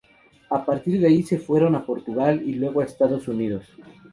A partir de ahí se fueron a Portugal y luego a Estados Unidos.